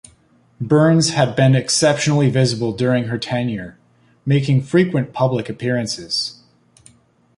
Burns has been exceptionally visible during her tenure, making frequent public appearances.